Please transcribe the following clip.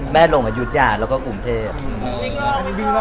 ลงอายุทยาแล้วก็กรุงเทพ